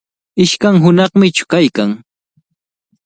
Ishkay hunaqnami chuqaykan.